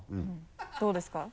どうですか？